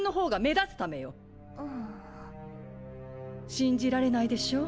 信じられないでしょう